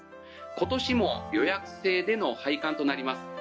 「今年も予約制での拝観となります」